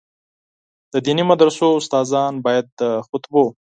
د دیني مدرسو استادان باید د خطبو.